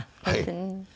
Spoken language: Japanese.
はい。